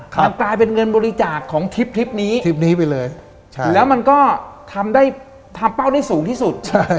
มันกลายเป็นเงินบริจาคของทริปนี้แล้วมันก็ทำได้ทำเป้าได้สูงที่สุด